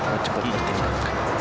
lo cepet bertindak